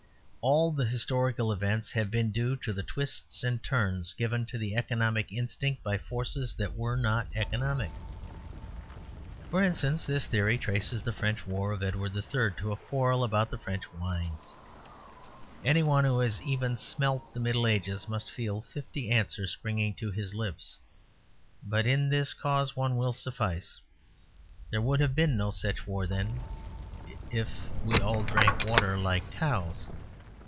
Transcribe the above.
All the historical events have been due to the twists and turns given to the economic instinct by forces that were not economic. For instance, this theory traces the French war of Edward III to a quarrel about the French wines. Any one who has even smelt the Middle Ages must feel fifty answers spring to his lips; but in this case one will suffice. There would have been no such war, then, if we all drank water like cows.